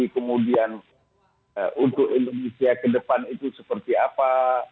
kemudian untuk indonesia ke depan itu seperti apa